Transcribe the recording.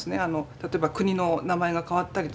例えば国の名前が変わったりとか。